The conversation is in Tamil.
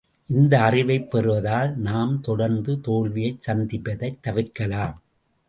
இந்த அறிவைப் பெறுவதால் நாம் தொடர்ந்து தோல்வியைச் சந்திப்பதைத் தவிர்க்கலாம்.